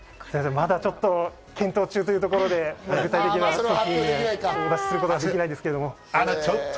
まだちょっと検討中というところで具体的にはお出しすることはできないですけど。